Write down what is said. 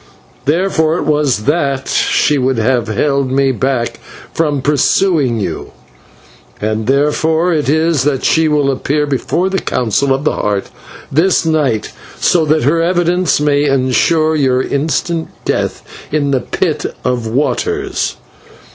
Therefore it was that she would have held me back from pursuing you, and therefore it is that she will appear before the Council of the Heart this night, so that her evidence may ensure your instant death in the Pit of Waters.